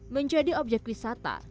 menjadi objek wisata